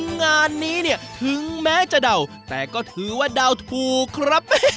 งานนี้เนี่ยถึงแม้จะเดาแต่ก็ถือว่าเดาถูกครับ